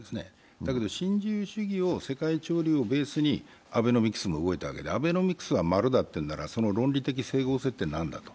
だけど新自由主義を世界潮流をベースにアベノミクスが動いたけどアベノミクスは丸だというなら、その論理的整合性は何だと。